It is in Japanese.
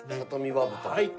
はい。